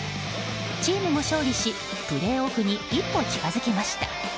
チームも勝利しプレーオフに一歩近づきました。